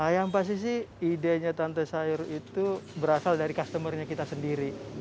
yang pasti sih idenya tante sayur itu berasal dari customer nya kita sendiri